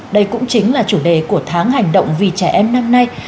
đây cũng chính là chủ đề của tháng hành động vì trẻ em năm nay